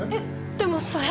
でもそれ。